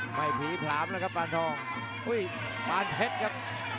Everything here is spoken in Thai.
ใหม่ผีพลามเลยครับปานทองอุ้ยปานเพชรครับ